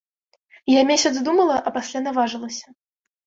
Я месяц думала, а пасля наважылася.